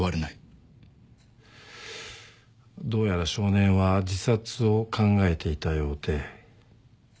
どうやら少年は自殺を考えていたようで。